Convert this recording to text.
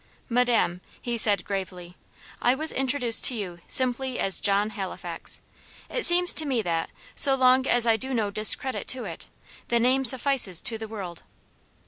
"Madam," he said, gravely, "I was introduced to you simply as John Halifax. It seems to me that, so long as I do no discredit to it, the name suffices to the world."